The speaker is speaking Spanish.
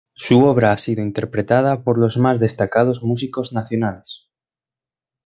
Su obra ha sido interpretada por los más destacados músicos nacionales.